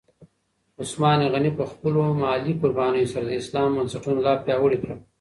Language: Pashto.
عثمان غني په خپلو مالي قربانیو سره د اسلام بنسټونه لا پیاوړي کړل.